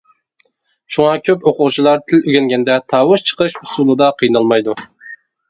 شۇڭا كۆپ ئوقۇغۇچىلار تىل ئۆگەنگەندە تاۋۇش چىقىرىش ئۇسۇلىدا قىينالمايدۇ.